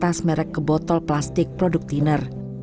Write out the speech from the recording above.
dan membeli tas merek kebotol plastik produk diner